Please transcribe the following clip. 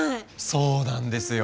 そうなんですよ。